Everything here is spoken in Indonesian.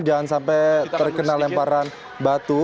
jangan sampai terkena lemparan batu